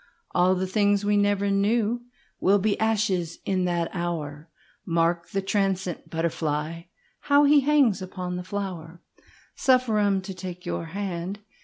All the things we ever knewWill be ashes in that hour, Mark the transient butterfly, How he hangs upon the flower. Suffer me to take your hand.